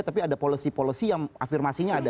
tapi ada policy policy yang afirmasinya ada